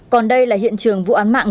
còn đây là hiện trường vụ án mạng